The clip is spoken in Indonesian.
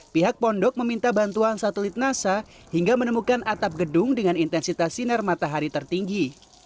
pihak pondok meminta bantuan satelit nasa hingga menemukan atap gedung dengan intensitas sinar matahari tertinggi